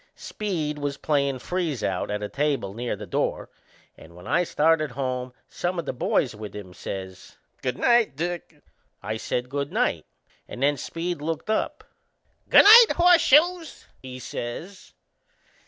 Speed was playin' freeze out at a table near the door, and when I started home some o' the boys with him says: "Good night, Dick." I said good night and then Speed looked up. "Good night, Horseshoes!"he says.